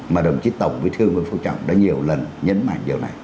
mà đồng chí tổng với thương vân phúc trọng đã nhiều lần nhấn mạnh điều này